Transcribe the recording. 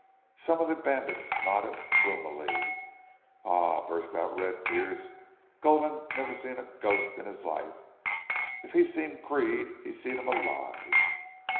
Some of the bandits nodded gloomily. "Aw!" burst out Red Pearce. "Gulden never seen a ghost in his life. If he seen Creede he's seen him ALIVE!"